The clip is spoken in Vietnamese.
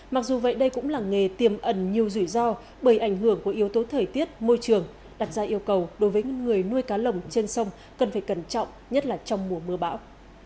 mặc dù vậy đây cũng là nghề tiềm ẩn nhiều rủi ro bởi ảnh hưởng của yếu tố thời tiết môi trường đặt ra yêu cầu đối với người nuôi cá lồng trên sông cần phải cẩn trọng nhất là trong mùa mưa bão